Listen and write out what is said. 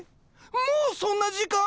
もうそんな時間？